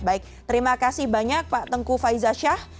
baik terima kasih banyak pak tengku faizasyah